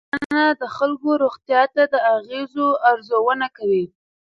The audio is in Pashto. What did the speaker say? څېړنه د خلکو روغتیا ته د اغېزو ارزونه کوي.